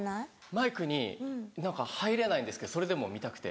マイクに入れないんですけどそれでも見たくて。